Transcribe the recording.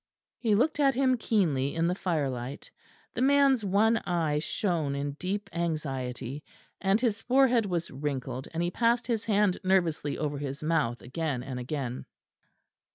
He looked at him keenly in the fire light. The man's one eye shone in deep anxiety, and his forehead was wrinkled; and he passed his hand nervously over his mouth again and again.